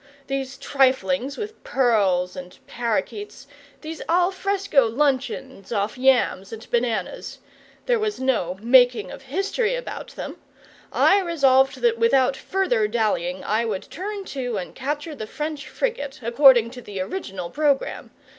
These triflings with pearls and parrakeets, these al fresco luncheons off yams and bananas there was no "making of history" about them, I resolved that without further dallying I would turn to and capture the French frigate, according to the original programme.